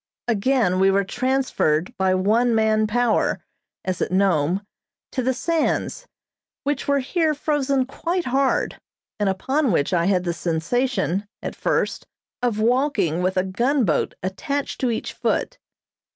Again we were transferred by one man power, as at Nome, to the sands, which were here frozen quite hard, and upon which I had the sensation, at first, of walking with a gunboat attached to each foot.